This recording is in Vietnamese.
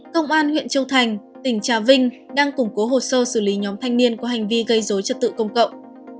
công an huyện châu thành tỉnh trà vinh đang củng cố hồ sơ xử lý nhóm thanh niên có hành vi gây dối trật tự công cộng